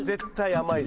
甘い？